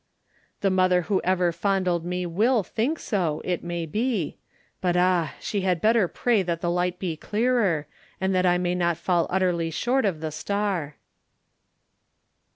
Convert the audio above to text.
"The mother who ever fondled me will think so, it may be! But, ah! she had better pray that the light be clearer, and that I may not fall utterly short of the star!"